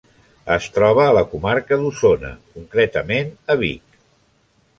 Es troba a la comarca d'Osona, concretament a Vic.